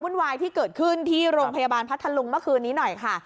วายที่เกิดขึ้นที่โรงพยาบาลพัทธลุงเมื่อคืนนี้หน่อยค่ะ